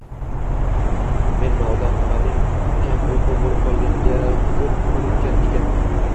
Men nodon, onamning kamuyqu bo‘lib qolganiga xo‘p ko‘nikkan ekanman.